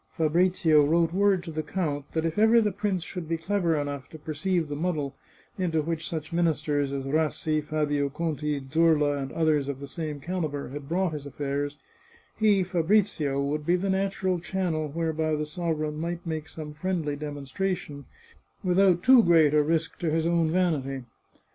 Fabrizio wrote word to the count that if ever the prince should be clever enough to perceive the muddle into which such ministers as Rassi, Fabio Conti, Zurla, and others of the same calibre had brought his affairs, he, Fabrizio, would be the natural channel whereby the sovereign might make some friendly demonstration, without too great a risk to his own vanity.